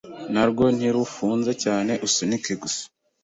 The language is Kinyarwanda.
Narwo ntirufunze cyane usunike gusa